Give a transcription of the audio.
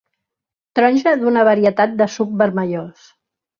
Taronja d'una varietat de suc vermellós.